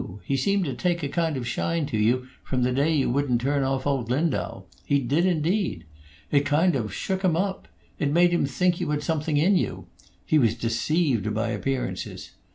He seemed to take a kind of shine to you from the day you wouldn't turn off old Lindau; he did, indeed. It kind of shook him up. It made him think you had something in you. He was deceived by appearances.